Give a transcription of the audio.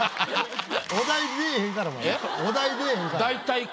大体。